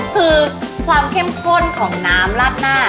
คือความเข้มข้นของน้ำลาดหน้า